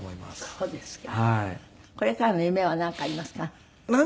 そうですか。